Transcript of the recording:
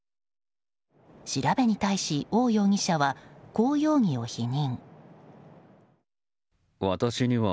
調べに対し、オウ容疑者はこう容疑を否認。